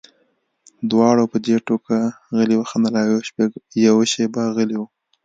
دواړو په دې ټوکه غلي وخندل او یوه شېبه غلي وو